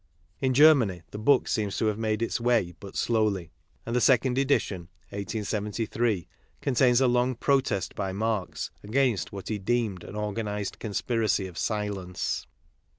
In Ger many the book seems to have made its way but slowly ; and the second edition (1873) contains a long protest by Marx against what he deemed an organized con spiracy of silence.